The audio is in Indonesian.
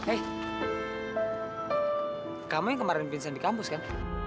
eh kamu yang kemarin pensiun di kampus kan